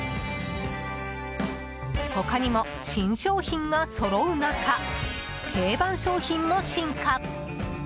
他にも新商品がそろう中定番商品も進化。